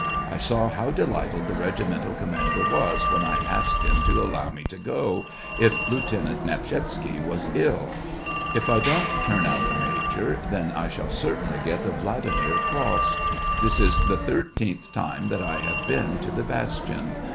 I saw how delighted the regimental commander was when I asked him to allow me to go, if Lieutenant Nepshisetsky was ill. If I don't turn out a major, then I shall certainly get the Vladi mir cross. This is the thirteenth time that I have been to the bastion.